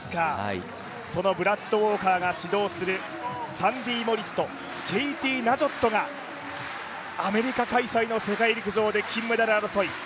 そのブラッド・ウォーカーが指導するサンディ・モリスとケイティ・ナジョットがアメリカ開催の世界陸上で金メダル争い。